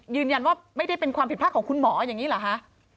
ยืนยันว่าไม่ได้เป็นความผิดพลาดของคุณหมออย่างนี้เหรอคะ